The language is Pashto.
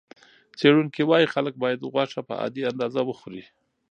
څېړونکي وايي خلک باید غوښه په عادي اندازه وخوري.